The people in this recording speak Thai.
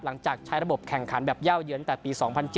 หลังจากใช้ระบบแข่งขันแบบเย่าเยือนตั้งแต่ปี๒๐๐๗